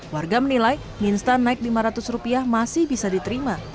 warga menilai mie instan naik lima ratus rupiah masih bisa diterima